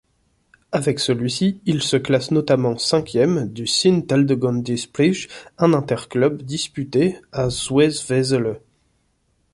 Avec celui-ci, il se classe notamment cinquième du Sint-Aldegondisprijs, un interclub disputé à Zwevezele.